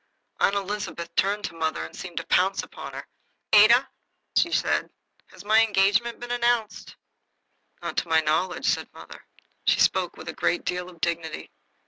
Aunt Elizabeth turned to mother, and seemed to pounce upon her. "Ada," said she, "has my engagement been announced?" "Not to my knowledge," said mother. She spoke with a great deal of dignity.